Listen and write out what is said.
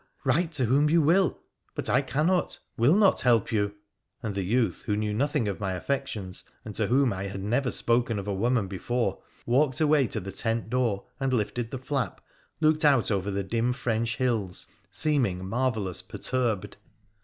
write to whom you will, but I cannot — will not — help you ;' and the youth, who knew nothing of my affections, and to whom I had never spoken of a woman before, walked away to the tent door and lifted the flap, looked out over the dim French hills, seeming marvellous perturbed.